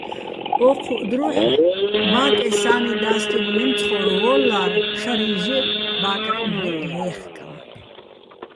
ო́ჴუჸ დროჰ̦ ბა́კეჼ სანი და́სტინო̆ მემცხო́რ ვო́ლლლა́რ შარიჼ ჟე ბა́კრეჼ ნჵაჲჸ ლე́ხკაჼ.